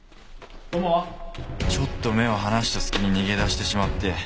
ちょっと目を離した隙に逃げ出してしまって。